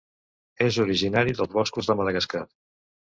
És originari dels boscos de Madagascar.